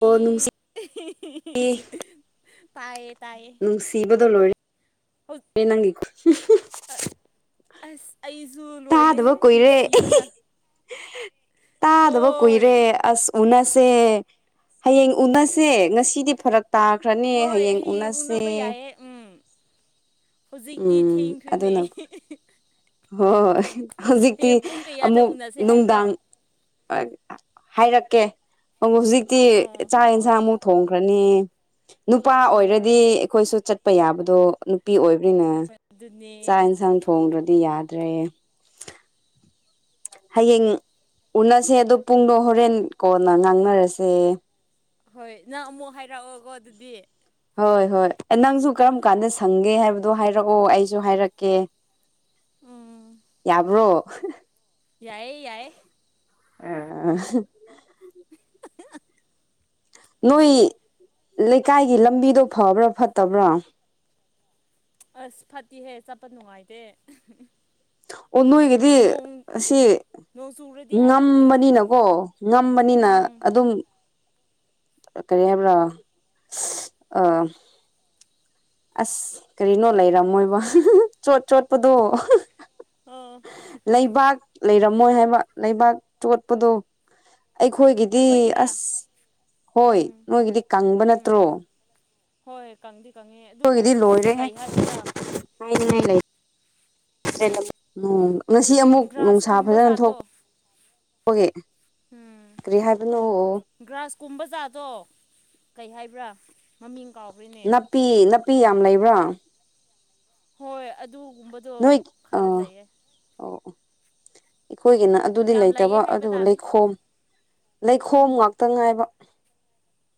ꯑꯣ ꯅꯨꯡꯁꯤ ꯄꯌꯦ ꯅꯪ ꯁꯤꯕꯗꯣ ꯂꯣꯏ ꯌꯦ ꯅꯒꯦ ꯈꯣꯟ ꯁꯨ ꯂꯣꯏꯔꯦꯍꯦ ꯅꯨꯡꯁꯤꯕꯅ ꯇꯥꯗꯕ ꯀꯨꯏꯔꯦ ꯍꯣꯏ ꯑꯁ ꯎꯅꯁ ꯁꯦ ꯍꯌꯦꯡ ꯎꯅꯁꯦ ꯉꯁꯤꯗꯤ ꯐꯔꯛ ꯇꯥꯈ꯭ꯔꯅꯤ ꯍꯣꯏ ꯍꯌꯦꯡ ꯎꯅꯕ ꯎꯅꯁꯦ ꯌꯥꯏꯑꯦ ꯎꯝ ꯍꯧꯖꯤꯛꯇꯤ ꯊꯦꯡꯈ꯭ꯔꯅꯦ ꯍꯣꯏ ꯍꯣꯏ ꯍꯧꯖꯤꯛꯇꯤ ꯀꯌꯥꯗ ꯑꯃꯨꯛ ꯎꯅꯁꯦ ꯅꯨꯡꯗꯥꯡ ꯍꯥꯏꯕ꯭ꯔꯣ ꯍꯥꯏꯔꯛꯀꯦ ꯑꯗꯨ ꯍꯧꯖꯤꯛꯇꯤ ꯑꯣ ꯆꯥꯛ ꯌꯦꯟꯁꯥꯡ ꯑꯃꯨꯛ ꯊꯣꯡꯈ꯭ꯔꯅꯤ ꯅꯨꯄꯥ ꯑꯣꯏꯔꯗꯤ ꯍꯣꯏ ꯑꯩꯈꯣꯏꯁꯨ ꯆꯠꯄ ꯌꯥꯕꯗꯣ ꯅꯨꯄꯤ ꯑꯣꯏꯕꯔꯤꯅꯦ ꯑꯗꯨꯅꯦ ꯆꯥꯛ ꯌꯦꯟꯁꯥꯡ ꯊꯣꯡꯗ꯭ꯔꯗꯤ ꯌꯥꯗ꯭ꯔꯦ ꯍꯌꯦꯌꯦꯡꯡ ꯎꯅꯁꯦ ꯑꯗꯣ ꯄꯨꯡꯗꯣ ꯍꯣꯔꯦꯟ ꯀꯣꯟꯅ ꯉꯥꯡꯅꯔꯁꯦ ꯍꯣꯏ ꯅꯪ ꯑꯃꯨꯛ ꯍꯥꯏꯔꯛꯑꯣꯒꯣ ꯑꯗꯨꯗꯤ ꯍꯣꯏ ꯍꯣꯏ ꯅꯪꯁꯨ ꯀꯔꯝ ꯀꯥꯟꯗ ꯁꯪꯒꯦ ꯍꯥꯏꯕꯗꯣ ꯍꯥꯏꯔꯛꯑꯣ ꯑꯩꯁꯨ ꯍꯥꯏꯔꯛꯀꯦ [inaudible] ꯌꯥꯕ꯭ꯔꯣ ꯌꯥꯏꯌꯦ ꯌꯥꯏꯦ ꯑ ꯅꯣꯏ ꯂꯩꯀꯥꯏꯒꯤ ꯂꯝꯕꯤꯗꯣ ꯐꯕ꯭ꯔꯥ ꯐꯠꯇꯕ꯭ꯔꯥ ꯑꯁ ꯐꯠꯇꯤꯍꯦ ꯆꯠꯄ ꯅꯨꯡꯉꯥꯏꯇꯦ ꯑꯣ ꯅꯣꯏꯒꯤꯗꯤ ꯅꯣꯡ ꯑꯁꯤ ꯅꯣꯡ ꯆꯨꯔꯗꯤ ꯍꯥꯏꯕ ꯉꯝꯕꯅꯤꯅꯀꯣ ꯉꯝꯕꯅꯤꯅ ꯎꯝ ꯑꯗꯨꯝ ꯀꯔꯤ ꯍꯥꯏꯕ꯭ꯔꯥ ꯑ ꯑꯁ ꯀꯔꯤꯅꯣ ꯂꯩꯔꯝꯃꯣꯏꯕ ꯆꯣꯠ ꯆꯣꯠꯄꯗꯣ ꯑꯣ ꯂꯩꯕꯥꯛ ꯂꯩꯔꯝꯃꯣꯏ ꯍꯥꯏꯕ ꯂꯩꯕꯥꯛ ꯆꯣꯠꯄꯗꯣ ꯑꯩꯈꯣꯏꯒꯤꯗꯤ ꯑꯩꯈꯣꯏꯒꯤꯔꯥ ꯑꯁ ꯍꯣꯏ ꯎꯝ ꯅꯣꯏꯒꯤꯗꯤ ꯀꯪꯕ ꯎꯝ ꯅꯠꯇ꯭ꯔꯣ ꯎꯝ ꯍꯣꯏ ꯀꯪꯗꯤ ꯀꯪꯉꯦ ꯑꯗꯨꯕꯨ ꯑꯩꯈꯣꯏꯒꯤꯗꯤ ꯂꯣꯏꯔꯦ ꯀꯩ ꯍꯥꯏꯁꯤꯔꯥ ꯍꯥꯏꯥꯏꯅꯤꯉꯥꯏ ꯂꯩ ꯉꯁꯤ ꯑꯃꯨꯛ ꯒ꯭ꯔꯥꯁ ꯅꯨꯡꯁꯥ ꯀꯨꯝꯕ ꯐꯖꯅ ꯊꯣꯛ ꯖꯥꯠꯇꯣ ꯑꯩꯈꯣꯏꯒꯤ ꯀꯔꯤ ꯍꯥꯏꯕꯅꯣ ꯀꯨꯝ ꯕꯖꯥꯗꯣ ꯀꯩ ꯍꯥꯏꯕ꯭ꯔꯥ ꯃꯃꯤꯡ ꯀꯥꯎꯈ꯭ꯔꯦꯅꯦ ꯅꯥꯄꯤ ꯅꯥꯄꯤ ꯌꯥꯝ ꯂꯩꯕ꯭ꯔꯥ ꯍꯣꯏ ꯑꯗꯨ ꯅꯣꯏ ꯑ ꯑꯣ ꯑꯩꯈꯣꯏꯒꯤꯅ ꯑꯗꯨꯗꯤ ꯌꯥꯝ ꯂꯩꯌꯦ ꯂꯩꯇꯕ ꯍꯥꯏꯕ ꯑꯗꯨꯕꯨ ꯇꯥꯔꯦ ꯂꯩꯈꯣꯝ ꯂꯩꯈꯣꯝ ꯉꯥꯛꯇ ꯉꯥꯏꯕ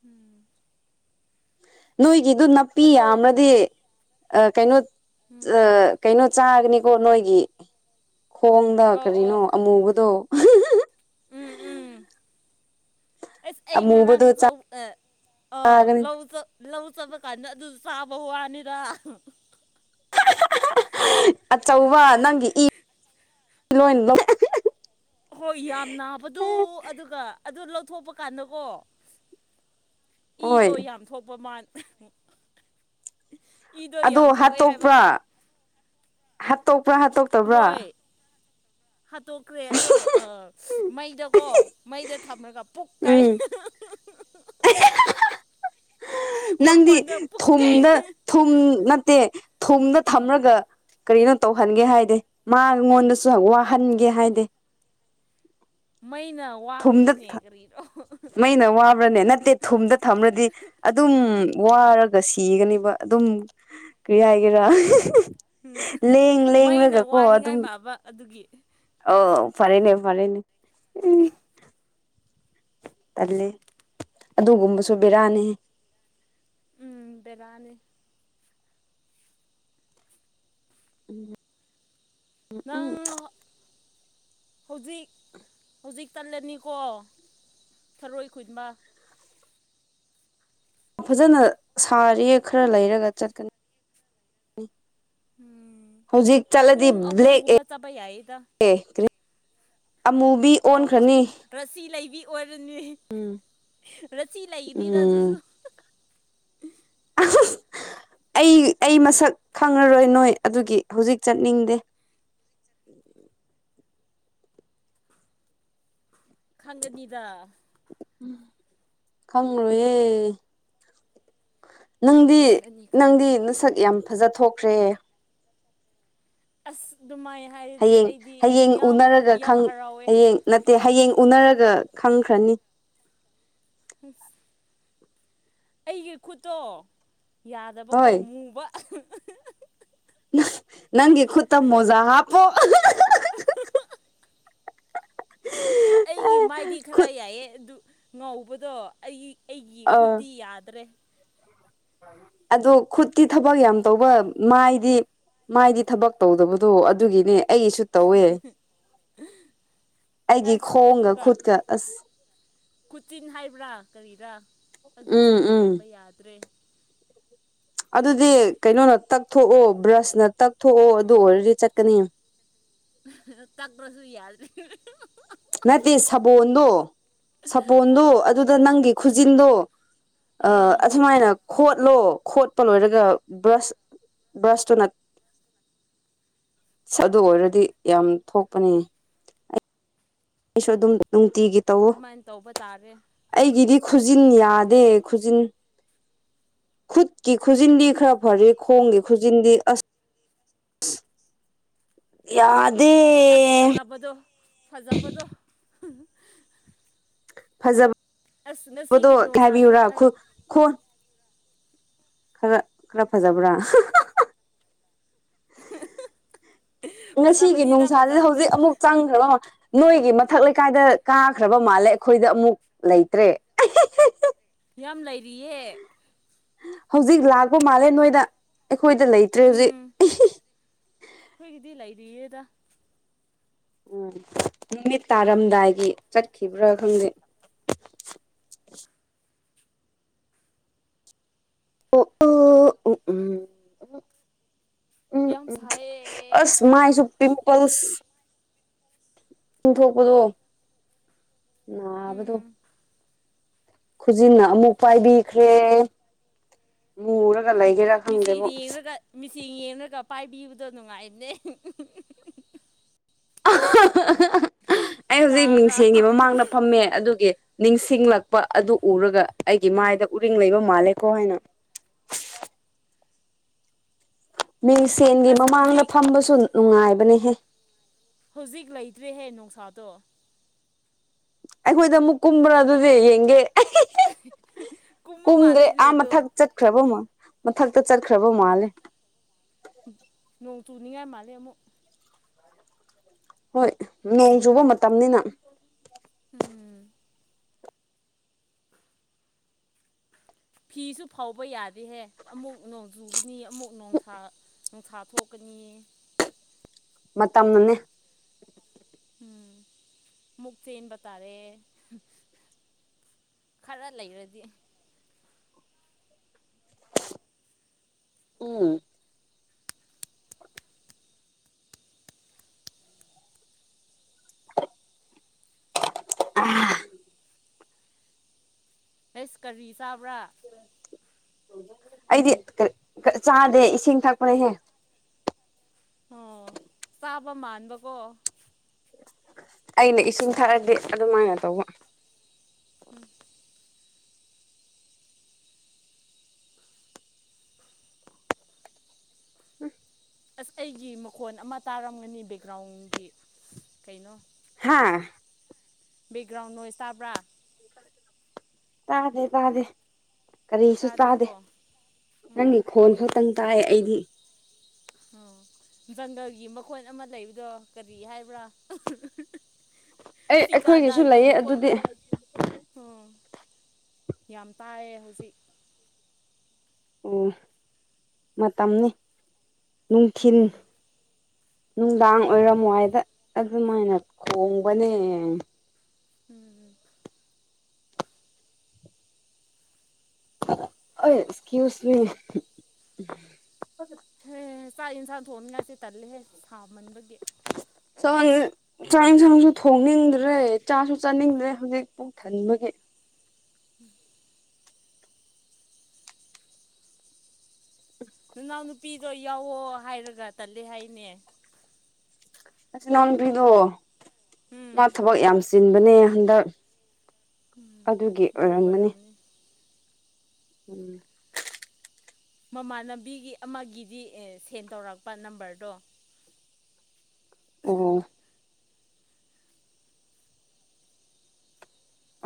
ꯎꯝ ꯅꯣꯏꯒꯤꯗꯨ ꯅꯥꯄꯤ ꯑꯗꯣ ꯌꯥꯝꯃꯗꯤ ꯀꯩꯅꯣ ꯎꯝ ꯑ ꯀꯩꯅꯣ ꯆꯥꯒꯅꯤꯀꯣ ꯅꯣꯏꯒꯤ ꯈꯣꯡꯗ ꯑꯣ ꯑꯣ ꯀꯔꯤꯅꯣ ꯑꯃꯨꯕꯗꯣ ꯎꯝ ꯎꯝ ꯑꯁ ꯑꯩ ꯉꯔꯥꯡ ꯑꯃꯨꯕꯗꯣ ꯑ ꯆꯥꯒꯅꯤ ꯂꯧ ꯂꯧ ꯆꯠꯄ ꯀꯥꯟꯗ ꯑꯗꯨ ꯆꯕꯧ ꯋꯥꯅꯤꯗ ꯑꯆꯧꯕ ꯅꯪꯒꯤ ꯏ ꯏꯂꯣ ꯏ ꯍꯣꯏ ꯌꯥꯝ ꯅꯥꯕꯗꯣ ꯑꯗꯨꯒ ꯑꯗꯨ ꯂꯧꯊꯣꯛꯄ ꯀꯥꯟꯗꯀꯣ ꯍꯣꯏ ꯏꯗꯣ ꯌꯥꯝ ꯊꯣꯛꯄ ꯃꯥꯜ ꯏꯗꯣ ꯑꯣꯗꯣ ꯌꯥꯝ ꯊꯣꯛꯑꯦ ꯍꯥꯏꯕ ꯍꯥꯠꯇꯣꯛꯄ꯭ꯔꯥ ꯍꯥꯠꯇꯣꯛꯄ꯭ꯔꯥ ꯍꯥ ꯍꯥꯠꯇꯣꯛꯇꯕ꯭ꯔꯥ ꯍꯣꯏ ꯍꯥꯠꯇꯣꯛꯈ꯭ꯔꯦ ꯑꯗꯣ ꯃꯩꯗꯀꯣ ꯃꯩꯗ ꯊꯝꯃꯒ ꯄꯣꯛꯀꯥꯏ ꯎꯝ ꯅꯪꯗꯤ ꯃꯈꯣꯟꯗ ꯄꯨꯛꯀꯩ ꯊꯨꯝꯗ ꯊꯨꯝ ꯅꯠꯇꯦ ꯊꯨꯝꯗ ꯊꯝꯔꯒ ꯀꯔꯤꯅꯣ ꯇꯧꯍꯟꯒꯦ ꯍꯥꯏꯗꯦ ꯃꯥꯉꯣꯟꯗꯁꯨ ꯋꯥꯍꯟꯒꯦ ꯍꯥꯏꯗꯦ [inaudible] ꯃꯩꯅ ꯊꯨꯝꯗ ꯋꯥꯒꯅꯤꯅꯦ ꯀꯔꯤꯗꯣ ꯃꯩꯅ ꯋꯥꯕ꯭ꯔꯅꯦ ꯅꯠꯇꯦ ꯊꯨꯝꯗ ꯊꯝ꯭ꯔꯗꯤ ꯑꯗꯨꯝ ꯋꯥꯔꯒ ꯁꯤꯒꯅꯤꯕ ꯑꯗꯨꯝ ꯎꯝ ꯀꯔꯤꯌꯥ ꯍꯥꯏꯒꯦꯔ ꯂꯦꯡ ꯃꯩꯅ ꯂꯦꯡꯡꯂꯒ ꯀꯣ ꯋꯥꯅꯤꯡꯉꯥꯏ ꯑꯗꯨꯝ ꯃꯥꯕ ꯑꯗꯨꯒꯤ ꯑꯥꯎ ꯐꯔꯦꯅꯦ ꯐꯔꯦꯅꯦ ꯎ ꯇꯂꯦ ꯑꯗꯨꯒꯨꯝꯕꯁꯨ ꯕꯦꯔꯥꯅꯤ ꯎꯝ ꯕꯦꯔꯥꯅꯤ ꯎꯝ ꯅꯪ ꯍꯧꯖꯤꯛ ꯍꯧꯖꯤꯛ ꯇꯜꯂꯅꯤꯀꯣ ꯊꯔꯣꯏ ꯈꯨꯟꯕ ꯐꯖꯅ ꯁꯥꯔꯤ ꯈꯔ ꯂꯩꯔꯒ ꯆꯠꯀꯅꯤ ꯎꯝ ꯍꯧꯖꯤꯛ ꯆꯠꯂꯗꯤ ꯄꯨꯡ ꯕ꯭ꯂꯦꯛ ꯑꯍꯨꯝꯒꯨꯝꯕ ꯆꯠꯄ ꯌꯥꯏꯌꯦꯗ ꯑꯦ ꯑꯃꯨꯕꯤ ꯑꯣꯟꯈ꯭ꯔꯅꯤ ꯎꯝ ꯔꯆꯤ ꯂꯩꯅ ꯇ ꯎꯝ ꯑꯗꯨꯁꯨ [inaudible] ꯑꯩ ꯑꯩ ꯃꯁꯛ ꯈꯪꯉꯔꯣꯏ ꯅꯣꯏ ꯑꯗꯨꯒꯤ ꯍꯧꯖꯤꯛ ꯆꯠꯅꯤꯡꯗꯦ ꯆꯠꯂꯤ ꯈꯪꯒꯅꯤꯗ ꯎꯝ ꯈꯪꯂꯣꯢꯌꯦ ꯅꯪꯗꯤ ꯈꯪꯒꯅꯤ ꯅꯪꯗꯤ ꯈꯪꯒꯅꯤ ꯅꯁꯛ ꯌꯥꯝ ꯐꯖ ꯊꯣꯛꯈ꯭ꯔꯦ ꯑꯁ ꯑꯗꯨꯃꯥꯏꯅ ꯍꯥꯏꯔꯗꯤ ꯍꯌꯦꯡ ꯑꯩꯗꯤ ꯍꯌꯦꯡ ꯌꯥꯝ ꯎꯅꯔꯒ ꯌꯥꯝ ꯈꯪ ꯍꯔꯥꯎꯋꯦ ꯍꯌꯦꯡ ꯅꯠꯇꯦ ꯍꯌꯦꯡ ꯎꯅꯔꯒ ꯈꯪꯈ꯭ꯔꯅꯤ ꯑ ꯑꯩꯒꯤ ꯈꯨꯠꯇꯣ ꯌꯥꯗꯕꯀꯣ ꯍꯣꯏ ꯃꯨꯕ ꯅꯪꯒꯤ ꯈꯨꯠꯇ ꯃꯣꯖ ꯍꯥꯄꯣ ꯑꯩꯒꯤ ꯃꯥꯏꯗꯤ ꯈꯔ ꯈꯨꯠ ꯌꯥꯏꯌꯦ ꯑꯗꯨ ꯉꯧꯕꯗꯣ ꯑꯩꯒꯤ ꯑꯩꯒꯤ ꯑ ꯈꯨꯠꯇꯤ ꯌꯥꯗ꯭ꯔꯦ ꯑꯗꯣ ꯈꯨꯠꯇꯤ ꯊꯕꯛ ꯌꯥꯝ ꯇꯧꯕ ꯃꯥꯏꯗꯤ ꯃꯥꯏꯗꯤ ꯊꯕꯛ ꯇꯧꯗꯕꯗꯣ ꯑꯗꯨꯒꯤꯅꯦ ꯑꯩꯒꯤꯁꯨ ꯇꯧꯋꯦ ꯑꯩꯒꯤꯦ ꯑꯁ ꯈꯣꯒ ꯑꯗꯨꯒ ꯈꯨꯗꯀ ꯑꯁ ꯈꯨꯆꯤꯟ ꯍꯥꯏꯕ꯭ꯔꯥ ꯀꯔꯤꯔꯥ ꯑꯗꯨꯁꯨ ꯎꯝ ꯌꯦꯡꯕ ꯎꯝ ꯌꯥꯗ꯭ꯔꯦ ꯑꯗꯨꯗꯤ ꯀꯩꯅꯣꯅ ꯇꯛꯊꯣꯛꯑꯣ ꯕ꯭ꯔꯁꯅ ꯇꯛꯊꯣꯛꯑꯣ ꯑꯗꯨ ꯑꯣꯏꯔꯗꯤ ꯆꯠꯀꯅꯤ ꯇꯒ꯭ꯔꯣꯁꯨꯨ ꯌꯥꯗ ꯅꯠꯇꯦ ꯁꯥꯕꯣꯟꯗꯣ ꯁꯥꯕꯣꯟꯗꯣ ꯑꯥ ꯑꯗꯨꯗ ꯅꯪꯒꯤ ꯈꯨꯖꯤꯟꯗꯣ ꯑ ꯑꯗꯨꯃꯥꯏꯅ ꯈ ꯠꯂꯣ ꯈꯣꯠꯄ ꯂꯣꯏꯔꯒ ꯕ꯭ꯔꯁ ꯕ꯭ꯔꯁꯇꯨꯅ ꯁꯁ ꯑꯗꯨ ꯑꯣꯏꯔꯗꯤ ꯌꯥꯝ ꯊꯣꯛꯄꯅꯤ ꯑꯩꯁꯨ ꯑꯗꯨꯝ ꯅꯨꯡꯇꯤꯒꯤ ꯇꯧꯋ ꯑꯗꯨꯃꯥꯏꯅ ꯇꯧꯕ ꯇꯥꯔꯦ ꯑꯩꯒꯤꯗꯤ ꯈꯨꯖꯤꯟ ꯌꯥꯗꯦ ꯈꯨꯖꯤꯟ ꯈꯨꯠꯀꯤ ꯈꯨꯖꯤꯟꯗꯤ ꯈꯔ ꯐꯔ ꯈꯣꯡꯒꯤ ꯈꯨꯖꯤꯟꯗꯤ ꯑꯁ ꯌꯥꯗꯦ ꯑꯁ ꯐꯖꯕꯗꯣ ꯐꯖꯕꯗꯣ ꯑꯁ ꯐꯖꯕꯕꯗꯣ ꯉꯁꯤꯒꯤ ꯀ ꯅꯨꯡꯁꯥꯁꯦ ꯍꯥꯏꯕꯤꯌꯨꯔꯥ ꯈꯔ ꯈꯣ ꯈꯔ ꯈꯔ ꯐꯖꯕ꯭ꯔꯥ ꯉꯁꯤꯒꯤ ꯐꯖꯕꯅꯤꯗ ꯅꯨꯡꯁꯥꯁꯤꯗ ꯐꯖꯕꯅꯤ ꯍꯧꯖꯤꯛ ꯑꯃꯨꯛ ꯆꯪꯈ꯭ꯔꯕ ꯑꯃ ꯅꯣꯏꯒꯤ ꯃꯊꯛ ꯂꯩꯀꯥꯏꯗ ꯀꯥꯈ꯭ꯔꯕ ꯃꯥꯜꯂꯦ ꯑꯩꯈꯣꯏꯗ ꯑꯃꯨꯛ ꯂꯩꯇ꯭ꯔꯦ ꯌꯥꯝ ꯂꯩꯔꯤꯌꯦ ꯍꯧꯖꯤꯛ ꯂꯥꯛꯄ ꯃꯥꯜꯂꯦ ꯅꯣꯏꯗ ꯑꯩꯈꯣꯏꯗ ꯂꯩꯇ꯭ꯔꯦ ꯎꯝ ꯍꯧꯖꯤꯛ ꯌꯦꯗ ꯎꯝ ꯅꯨꯃꯤꯠ ꯇꯥꯔꯝꯗꯥꯏꯒꯤ ꯆꯠꯈꯤꯕ꯭ꯔꯥ ꯈꯪꯗꯦ [inaudible] ꯎ ꯎ ꯎ ꯎꯝ ꯎ ꯌꯥꯝ ꯁꯥꯏꯌꯦ ꯃꯥꯏꯁꯨ ꯄꯤꯝꯄꯜꯁ ꯆꯨꯡꯊꯣꯛꯄꯗꯣ ꯂꯅꯥꯕꯗꯣ ꯎꯝ ꯈꯨꯖꯤꯟꯅ ꯑꯃꯨꯛ ꯄꯥꯏꯕꯤꯈ꯭ꯔꯦ ꯃꯨꯔꯒ ꯂꯩꯒꯦꯔꯥ ꯃꯁꯤ ꯈꯪꯗꯦꯕꯣ ꯌꯦꯡꯅ ꯀꯁꯤ ꯌꯦꯡꯅ ꯀꯞ ꯄꯥꯏꯕꯤꯕꯗ ꯅꯨꯡꯉꯥꯏꯅꯦ ꯑ [inaudible] ꯑꯩ ꯍꯧꯖꯤꯛ ꯇꯥꯕ꯭ꯔꯥ ꯅꯤꯡꯁꯦꯝꯒꯤ ꯃꯃꯥꯡꯗ ꯐꯝꯃꯦ ꯑꯗꯨꯒꯤ ꯅꯤꯡꯁꯤꯡꯂꯛꯄ ꯑꯗꯨ ꯎꯔꯒ ꯑꯩꯒꯤ ꯃꯥꯏ ꯑꯥ ꯗ ꯎꯔꯤꯡ ꯂꯩꯕ ꯃꯥꯜꯂꯦꯀꯣ ꯍꯥꯏꯅ ꯃꯤꯡꯁꯦꯟꯒꯤ ꯑꯁ ꯃꯃꯥꯡꯗ ꯍꯧꯖꯤꯛ ꯐꯝꯕꯁꯨ ꯅꯨꯡꯉꯥꯏꯕꯅꯤꯍꯦ ꯍꯧꯖꯤꯛ ꯂꯩꯇ꯭ꯔꯦꯍꯦ ꯅꯨꯡꯁꯥꯗꯣ ꯑꯩꯈꯣꯏꯗ ꯑꯃꯨꯛ ꯀꯨꯝꯕ꯭ꯔꯥ ꯑꯗꯨꯗꯤ ꯌꯦꯡꯒꯦ ꯀꯨꯝꯕ ꯀꯨꯝꯗ ꯃꯥꯜꯂꯤꯅꯦ ꯑꯥ ꯑꯗꯣ ꯃꯊꯛ ꯆꯠꯈ꯭ꯔꯕ ꯑꯃꯛ ꯃꯊꯛ ꯛꯇ ꯆꯠꯈ꯭ꯔꯕꯣ ꯃꯥꯂꯦ ꯇꯨꯅꯤꯡꯉꯥꯏ ꯃꯥꯂꯦ ꯑꯃꯨꯛ ꯍꯣꯏ ꯅꯣꯡ ꯆꯨꯕ ꯃꯇꯝꯅꯤꯅ ꯎꯝ ꯐꯤꯁꯨ ꯐꯥꯎꯕ ꯌꯥꯗꯦꯍꯦ ꯑꯃꯨꯛ ꯅꯣꯡꯖꯨꯒꯅꯤ ꯑꯃꯨꯛ ꯅꯣꯡꯁꯥ ꯅꯨꯡꯁꯥ ꯊꯣꯛꯀꯅꯤꯌꯦ ꯃꯝꯅꯅꯦ ꯎꯝ ꯃꯨꯛꯇ ꯆꯅꯕꯇꯥꯔꯦ ꯈꯔ ꯂꯩꯔꯗꯤ ꯎꯝ [unintelligible] ꯍꯁ ꯀꯔꯤ ꯆꯥꯕ꯭ꯔꯥ ꯑꯩꯗꯤ ꯆꯥꯗꯦ ꯏꯁꯤꯡ ꯊꯛꯄꯅꯦꯍꯦ ꯇꯥꯕ ꯃꯥꯟꯕꯀꯣ ꯑꯩꯅ ꯏꯁꯤꯡ ꯊꯛꯔꯗꯤ ꯑꯗꯨꯃꯥꯏꯅ ꯇꯧꯕ ꯎꯝ ꯑꯁ ꯑꯩꯒꯤ ꯃꯈꯣꯟ ꯑꯃ ꯇꯥꯔꯝꯒꯅꯤ ꯕꯦꯛꯒ꯭ꯔꯥꯎꯟꯒꯤ ꯀꯩꯅꯣ ꯍꯥꯥ ꯕꯦꯛꯒ꯭ꯔꯥꯎꯟ ꯅꯣꯏꯁ ꯇꯥꯕ꯭ꯔꯥ ꯇꯥꯗꯦ ꯇꯥꯗꯦ ꯀꯔꯤꯁꯨ ꯇꯥꯗꯦ ꯇꯥꯗꯦꯀꯣ ꯎꯝ ꯅꯪꯒꯤ ꯈꯣꯟ ꯈꯤꯇꯪ ꯇꯥꯏ ꯑꯩꯗꯤ ꯑꯣ ꯖꯪꯒꯜꯒꯤ ꯃꯈꯣꯟ ꯑꯃ ꯂꯩꯕꯗꯣ ꯀꯔꯤ ꯍꯥꯏꯕ꯭ꯔꯥ ꯑꯩ ꯑꯩꯈꯣꯏꯒꯤꯁꯨ ꯁꯤꯀꯥꯗꯥꯒꯤ ꯂꯩꯌꯦ ꯑꯗꯨꯗꯤ ꯃꯈꯣꯟꯗ ꯎ ꯌꯥꯝ ꯇꯥꯏꯌꯦ ꯍꯧꯖꯤꯛ ꯑꯣ ꯃꯇꯝꯅꯤꯅꯤ ꯅꯨꯡꯊꯤꯤꯟ ꯎꯝ ꯅꯨꯡꯗꯥꯡ ꯎꯝ ꯑꯣꯏꯔꯝꯃ ꯍꯥꯏꯗ ꯑꯗꯨꯃꯥꯏꯅ ꯈꯣꯡꯕꯅꯦ ꯎꯝ ꯎꯝ ꯁꯀꯤꯁ ꯃꯤ ꯍ ꯆꯥꯛ ꯌꯦꯟꯁꯥꯡ ꯊꯣꯡꯅꯤꯡꯉꯥꯏꯁꯦ ꯇꯜꯂꯦꯍꯦ ꯊꯥꯃꯟꯕꯒꯤ ꯆꯥꯛ ꯌꯦꯟꯁꯥꯡꯁꯨ ꯊꯣꯡꯅꯤꯡꯗ꯭ꯔꯦ ꯆꯥꯁꯨ ꯆꯥꯅꯤꯡꯗ꯭ꯔꯦ ꯍꯧꯖꯤꯛ ꯄꯨ ꯊꯟꯕꯒꯤ ꯎꯝ ꯅꯅꯥꯎ ꯅꯨꯄꯤꯗꯣ ꯌꯥꯎꯑꯣ ꯍꯥꯏꯔꯒ ꯇꯂ ꯍꯥꯏꯅꯦ ꯑꯁꯤꯆꯤꯟꯅꯥꯎꯄꯤꯗꯣ ꯎꯝ ꯃꯥ ꯊꯕꯛ ꯌꯥꯝ ꯆꯤꯟꯕꯅꯦ ꯍꯟꯗꯛ ꯑꯗꯨꯒꯤ ꯑꯗꯨ ꯑꯣꯏꯔꯝꯒꯅꯤ ꯑꯣꯏꯔꯝꯅꯤ ꯎꯝ ꯃꯃꯥꯟꯅꯕꯤꯒꯤ ꯑꯃꯒꯤꯗꯤ ꯁꯦꯟ ꯇꯧꯔꯛꯄ ꯅꯝꯕꯔꯗꯣ ꯑꯣ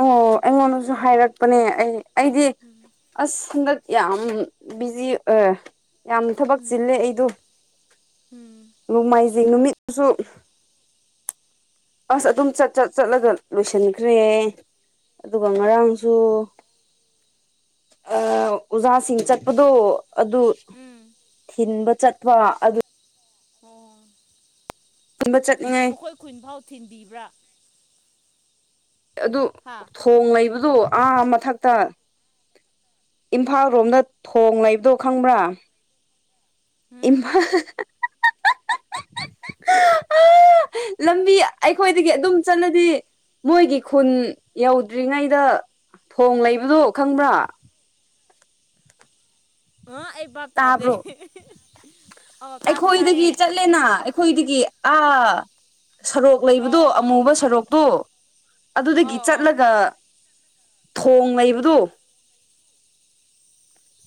ꯑꯣ ꯑꯩꯉꯣꯟꯗꯁꯨ ꯍꯥꯏꯔꯛꯄꯅꯦ ꯑꯩ ꯑꯩꯗꯤ ꯎꯝ ꯑꯁ ꯍꯟꯗꯛ ꯌꯥꯝ ꯕꯤꯖꯤ ꯌꯥꯝ ꯊꯕꯛ ꯎꯝ ꯆꯤꯜꯂꯦ ꯑꯩꯗꯣ ꯎꯝ ꯅꯣꯡꯃꯥꯏꯖꯤꯡ ꯅꯨꯃꯤꯠ ꯑꯗꯨ ꯑꯁ ꯑꯗꯨꯝ ꯆꯠ ꯆꯠ ꯆꯠꯂꯒ ꯂꯣꯏꯁꯤꯟꯈ꯭ꯔꯦ ꯑꯗꯨꯒ ꯉꯔꯥꯡꯁꯨ ꯎꯝ ꯑ ꯑꯣꯖꯥꯁꯤꯡ ꯆꯠꯄꯗꯨꯣ ꯑꯗꯨ ꯎꯝ ꯊꯤꯟꯕ ꯆꯠꯄ ꯑꯗꯨ ꯑꯣ ꯊꯤꯟꯕ ꯆꯠꯅꯤꯡꯉꯥꯏ ꯃꯈꯣꯏ ꯈꯨꯟꯐꯥꯎ ꯊꯤꯟꯕꯤꯕ꯭ꯔꯥ ꯑꯗꯨ ꯍꯥ ꯊꯣꯡ ꯂꯩꯕꯗꯨꯣ ꯑꯥ ꯃꯊꯛꯇ ꯏꯝꯐꯥꯜ ꯔꯣꯝꯗ ꯊꯣꯡ ꯂꯩꯕꯗꯣ ꯈꯪꯕ꯭ꯔꯥ ꯎꯝ ꯏꯃ [unintelligible] [inaudible] ꯂꯝꯕꯤ ꯑꯩꯈꯣꯏꯗꯒꯤ ꯑꯗꯨꯝ ꯆꯠꯂꯗꯤ ꯃꯣꯏꯒꯤ ꯈꯨꯟ ꯌꯧꯗ꯭ꯔꯤꯉꯩꯗ ꯊꯣꯡ ꯂꯩꯕꯗꯣ ꯈꯪꯕ꯭ꯔꯥ ꯑ ꯑꯩꯕꯞ ꯇꯥꯗ ꯇꯥꯕ꯭ꯔꯣ ꯑꯩꯈꯣꯏꯗꯒꯤ ꯆꯠꯂꯦꯅ ꯑꯩꯈꯣꯏꯗꯒꯤ ꯑꯥ ꯁꯣꯔꯣꯛ ꯑꯣ ꯂꯩꯕꯗꯣ ꯑꯣ ꯑꯣ ꯑꯃꯨꯕ ꯁꯣꯔꯣꯛꯇꯣ ꯑꯗꯨꯗꯒꯤ ꯑꯧ ꯑꯧ ꯆꯠꯂꯒ ꯊꯣꯡ ꯂꯩꯕꯗꯨ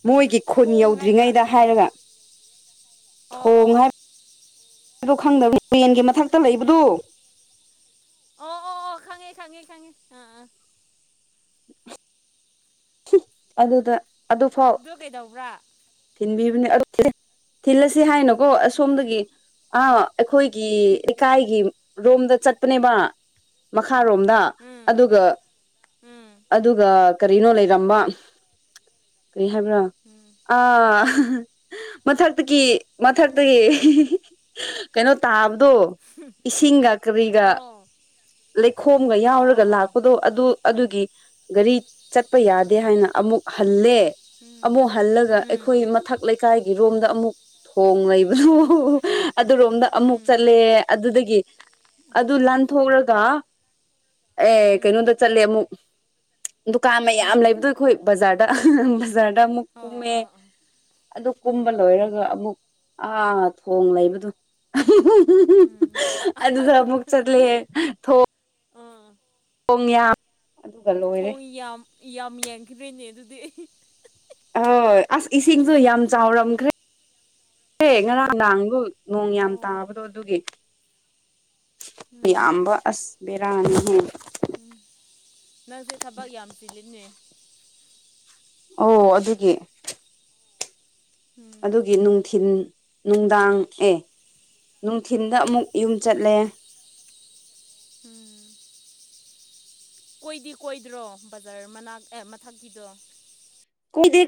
ꯃꯣꯏꯒꯤ ꯈꯨꯟ ꯊꯣꯡ ꯌꯧꯗ ꯍꯥꯏꯕ꯭ꯔꯥ ꯗ꯭ꯔꯤꯉꯩꯗ ꯊꯣꯡ ꯍꯥꯏꯔꯒ ꯑꯣ ꯊꯣꯡ ꯑꯣ ꯍꯥꯏꯕ ꯑꯩꯣ ꯈꯪꯗꯕꯅꯤ ꯇ꯭ꯔꯦꯟꯒꯤ ꯃꯊꯛꯇ ꯂꯩꯕꯗꯨ ꯑꯣ ꯑꯣ ꯑꯣ ꯈꯪꯉꯦ ꯈꯪꯉꯦ ꯈꯪꯉꯦ ꯑ ꯑꯗꯨꯗ ꯑꯣ ꯀꯩꯗꯧꯕ꯭ꯔꯥ ꯕ ꯊꯤꯜꯂꯁꯤ ꯍꯥꯏꯅꯣꯀꯣ ꯑꯁꯣꯝꯗꯒꯤ ꯑ ꯑꯩꯈꯣꯏꯒꯤ ꯂꯩꯀꯥꯏꯒꯤ ꯔꯣꯝꯗ ꯆꯠꯄꯅꯦꯕ ꯃꯈꯥ ꯊꯥꯔꯣꯝꯗ ꯎꯝ ꯑꯗꯨꯒ ꯎꯝ ꯑꯗꯨꯒ ꯀꯔꯤꯅꯣ ꯂꯩꯔꯝꯕ ꯀꯔꯤ ꯍꯥꯏꯕ꯭ꯔꯥ ꯎꯝ ꯃꯊꯛꯇꯒꯤ ꯃꯊꯛꯇꯒꯤ ꯀꯩꯅꯣ ꯇꯥꯕ ꯑꯗꯣ ꯏꯁꯤꯡꯒ ꯀꯔꯤꯒ ꯑꯣ ꯂꯩꯈꯣꯝꯒ ꯑꯣ ꯑꯣ ꯌꯥꯎꯔꯒ ꯑꯣ ꯂꯥꯛꯄꯗꯣ ꯑꯗꯨ ꯑꯗꯨꯒꯤ ꯒꯥꯔꯤ ꯆꯠꯄ ꯌꯥꯗꯦ ꯍꯥꯏꯅ ꯑꯃꯨꯛ ꯍꯜꯂꯦ ꯎꯝ ꯑꯃꯨꯛ ꯍꯜꯂꯒ ꯎꯝ ꯑꯩꯈꯣꯏ ꯃꯊꯛ ꯂꯩꯀꯥꯏꯒꯤ ꯏꯔꯣꯝꯗ ꯑꯃꯨꯛ ꯊꯣꯡ ꯂꯩꯕꯗꯨ ꯑꯗꯨꯔꯣꯝꯗ ꯑꯃꯨꯛ ꯎꯝ ꯆꯠꯂꯦ ꯑꯗꯨꯗꯒꯤ ꯑꯗꯨ ꯂꯥꯟꯊꯣꯛꯂꯒ ꯑꯦ ꯎꯝ ꯀꯩꯅꯣꯝꯗ ꯆꯠꯂꯦ ꯑꯃꯨꯛ ꯗꯨꯀꯥꯟ ꯃꯌꯥꯝ ꯎꯝ ꯂꯩꯕꯗꯣ ꯑꯩꯈꯣꯏ ꯕꯖꯥꯔꯗꯕ ꯑꯃꯨꯛ ꯑꯣ ꯀꯨꯝꯃꯦ ꯑꯣ ꯑꯣ ꯑꯗꯨ ꯀꯨꯝꯕ ꯂꯣꯏꯔꯒ ꯑꯃꯨꯛ ꯑꯥ ꯊꯣꯡ ꯂꯩꯕꯗꯣ ꯎꯝ ꯎꯝ ꯑꯗꯨꯁꯨ ꯃꯨꯛ ꯆꯠꯂꯤꯦ ꯑꯥ ꯄꯉꯌꯥ ꯊꯣꯡ ꯌꯥꯝ ꯌꯥꯝ ꯌꯦꯡꯈꯤ꯭ꯔꯣꯏꯅꯦ ꯑꯗꯨꯗꯤ ꯑꯩ ꯍꯣꯏ ꯑꯁ ꯏꯁꯤꯡꯁꯨ ꯌꯥꯝ ꯆꯥꯎꯔꯝꯈ꯭ꯔꯦꯦ ꯉꯔꯥꯡ ꯅꯍꯥꯡꯕꯨ ꯅꯣꯡ ꯌꯥꯝ ꯑꯣ ꯇꯥꯕꯗꯣ ꯑꯗꯨꯒꯤ ꯎꯝ ꯌꯥꯝꯕ ꯑꯁ ꯕꯔꯅꯤ ꯍ ꯎꯝ ꯅꯪꯁꯦ ꯊꯕꯛ ꯌꯥꯝ ꯆꯤꯜꯂꯤꯅꯦ ꯑꯣ ꯑꯗꯨꯒꯤ ꯎꯝ ꯑꯗꯨꯒꯤ ꯅꯨꯡꯊꯤꯤꯟ ꯅꯨꯡꯗꯥꯡ ꯑꯦ ꯅꯨꯡꯊꯤꯟꯗ ꯑꯃꯨꯛ ꯌꯨꯝ ꯆꯠꯂꯦ ꯎꯝ ꯀꯣꯏꯗꯤ ꯀꯣꯏꯗ꯭ꯔꯣ ꯕꯖꯥꯔ ꯃꯅꯥꯛ ꯃꯊꯛꯀꯤꯗꯣ ꯀꯨꯏꯗꯦ